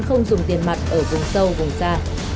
không dùng tiền mặt ở vùng sâu vùng xa